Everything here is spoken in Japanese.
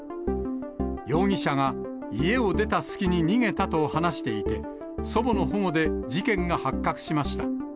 容疑者が家を出た隙に逃げたと話していて、祖母の保護で事件が発覚しました。